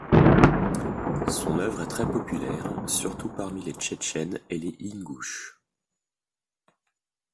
Son œuvre est très populaire surtout parmi les Tchétchènes et les Ingouches.